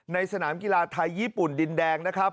สนามกีฬาไทยญี่ปุ่นดินแดงนะครับ